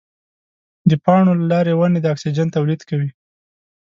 د پاڼو له لارې ونې د اکسیجن تولید کوي.